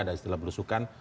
ada istilah berusukan